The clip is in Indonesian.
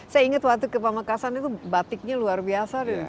saya ingat waktu ke pamekasan itu batiknya luar biasa